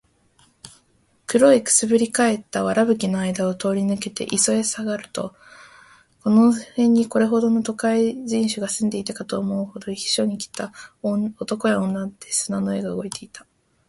古い燻（くす）ぶり返った藁葺（わらぶき）の間あいだを通り抜けて磯（いそ）へ下りると、この辺にこれほどの都会人種が住んでいるかと思うほど、避暑に来た男や女で砂の上が動いていた。